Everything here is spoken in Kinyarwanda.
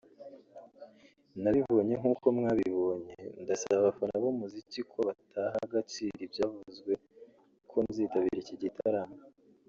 nabibonye nkuko mwabibonye ndasaba abafana b’umuziki ko bataha agaciro ibyavuzwe ko nzitabira iki gitaramo